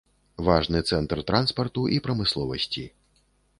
Важны цэнтр транспарту і прамысловасці.